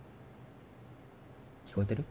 聞こえてる？